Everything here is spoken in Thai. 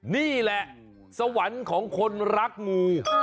นี่แหละสวรรค์ของคนรักงู